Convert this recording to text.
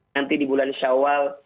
nanti di bulan shawwal